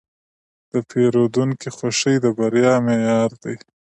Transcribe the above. د پیرودونکي خوښي د بریا معیار دی.